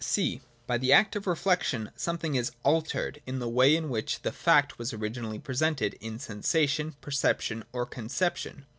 22.] (c) By the act of reflection something is altered in the way in which the fact was originally presented in sensation, perception, or conception.